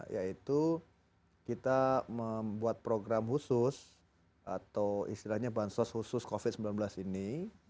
yaitu kita membuat program khusus atau istilahnya bansos khusus covid sembilan belas ini